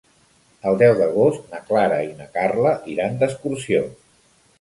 El deu d'agost na Clara i na Carla iran d'excursió.